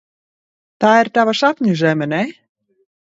Tā ir tava sapņu zeme, ne?